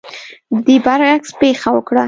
د دې برعکس پېښه وکړه.